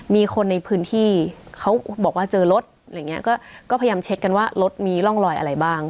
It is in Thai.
มีคนในพื้นที่เขาบอกว่าเจอรถอะไรอย่างเงี้ยก็พยายามเช็คกันว่ารถมีร่องรอยอะไรบ้าง